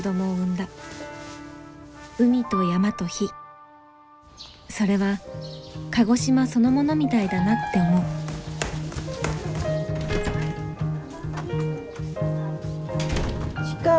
海と山と火それは鹿児島そのものみたいだなって思う知花。